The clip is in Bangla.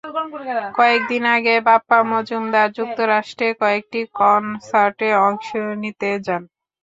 কয়েক দিন আগে বাপ্পা মজুমদার যুক্তরাষ্ট্রে কয়েকটি কনসার্টে অংশ নিতে যান।